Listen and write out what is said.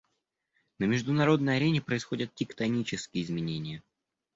На международной арене происходят тектонические изменения.